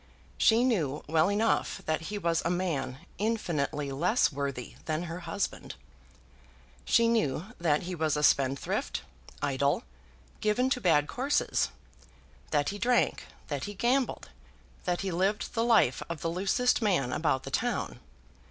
She knew well enough that he was a man infinitely less worthy than her husband. She knew that he was a spendthrift, idle, given to bad courses, that he drank, that he gambled, that he lived the life of the loosest man about the town.